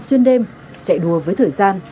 xuyên đêm chạy đùa với thời gian